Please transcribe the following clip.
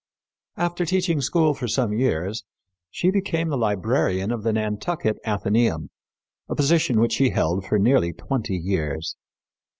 After teaching school for some years, she became the librarian of the Nantucket Atheneum, a position which she held for nearly twenty years.